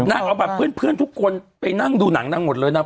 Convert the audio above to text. นางเอาแบบเพื่อนทุกคนไปนั่งดูหนังนางหมดเลยนาง